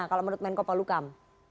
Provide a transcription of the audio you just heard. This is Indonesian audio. kalau menurut menko palukam